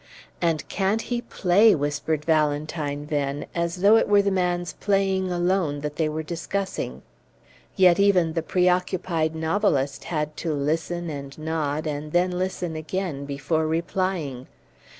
"And can't he play?" whispered Valentine Venn, as though it were the man's playing alone that they were discussing. Yet even the preoccupied novelist had to listen and nod, and then listen again, before replying.